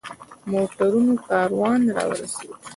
موټرونو کاروان را ورسېد.